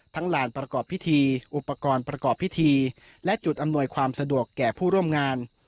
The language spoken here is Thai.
หลานประกอบพิธีอุปกรณ์ประกอบพิธีและจุดอำนวยความสะดวกแก่ผู้ร่วมงาน